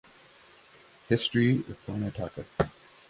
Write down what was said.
History of Karnataka.